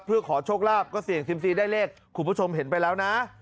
เพื่อขอโชคลาภก็เสี่ยงซิมซีได้เลขคุณผู้ชมเห็นไปแล้วนะ